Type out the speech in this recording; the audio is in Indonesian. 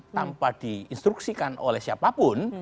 tanpa di instruksikan oleh siapapun